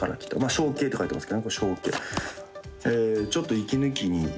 象形って書いていますね、象形。